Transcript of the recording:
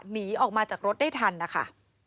หนีออกมาจากรถได้ทันนะคะ